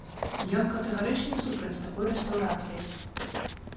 Ён катэгарычна супраць такой рэстаўрацыі.